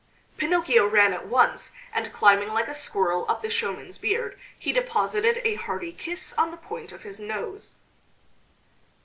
Pinocchio ran at once, and climbing like a squirrel up the showman's beard he deposited a hearty kiss on the point of his nose.